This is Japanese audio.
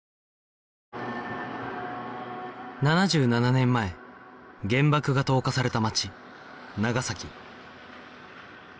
７７年前原爆が投下された街長崎